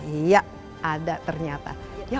iya ada ternyata